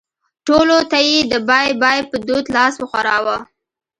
ټولو ته یې د بای بای په دود لاس وښوراوه.